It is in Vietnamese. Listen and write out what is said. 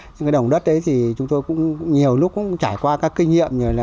những cái đồng đất ấy thì chúng tôi cũng nhiều lúc cũng trải qua các kinh nghiệm